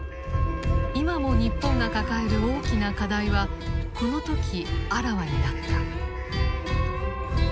今も日本が抱える大きな課題はこの時あらわになった。